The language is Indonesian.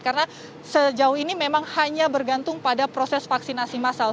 karena sejauh ini memang hanya bergantung pada proses vaksinasi masal